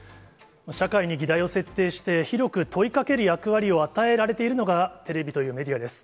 社会に議題を設定して、広く問いかける役割を与えられているのが、テレビというメディアです。